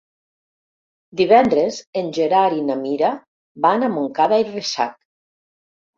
Divendres en Gerard i na Mira van a Montcada i Reixac.